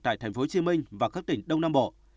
tại tp hcm và các tỉnh đông nam bộ